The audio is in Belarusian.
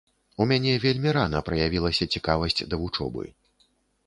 У мяне вельмі рана праявілася цікавасць да вучобы.